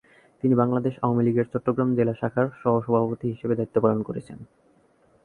তিনি বাংলাদেশ আওয়ামী লীগের চট্টগ্রাম জেলা শাখার সহ-সভাপতি হিসাবে দায়িত্ব পালন করেছেন।